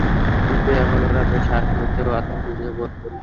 কিন্তু এখন ওরা শ্বাস নিতেও আতঙ্কিত বোধ করছে।